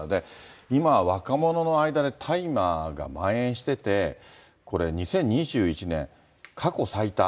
今、若者の間で大麻がまん延してて、これ２０２１年、過去最多。